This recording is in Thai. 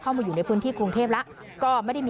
ปอล์กับโรเบิร์ตหน่อยไหมครับ